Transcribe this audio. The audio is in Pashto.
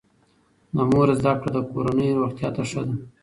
د مور زده کړه د کورنۍ روغتیا ته ښه ده.